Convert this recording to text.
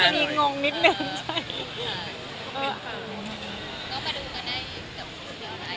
มีงงนิดนึงใช่